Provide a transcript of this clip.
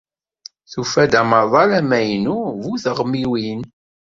Tufa-d amaḍal amaynu bu teɣmiwin.